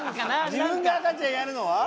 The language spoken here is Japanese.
自分が赤ちゃんやるのは？